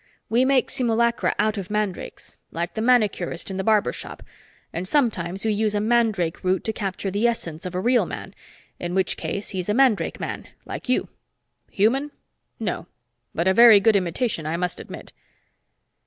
We make simulacra out of mandrakes like the manicurist in the barber shop. And sometimes we use a mandrake root to capture the essence of a real man, in which case he's a mandrake man, like you. Human? No. But a very good imitation, I must admit."